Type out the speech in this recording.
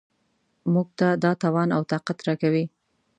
موږ ته دا توان او طاقت راکوي.